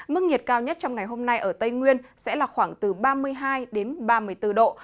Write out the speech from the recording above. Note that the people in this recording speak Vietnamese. mức nhiệt cao nhất trong ngày hôm nay ở tây nguyên sẽ là khoảng từ ba mươi hai đến ba mươi bốn độ